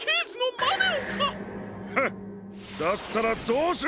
フッだったらどうする！？